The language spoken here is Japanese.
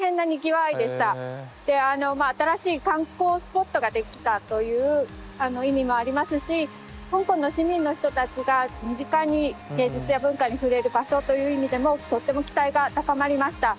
であのまあ新しい観光スポットが出来たという意味もありますし香港の市民の人たちが身近に芸術や文化に触れる場所という意味でもとっても期待が高まりました。